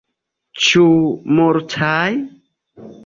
Ĉu multaj?